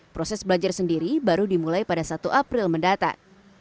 proses belajar sendiri baru dimulai pada satu april mendatang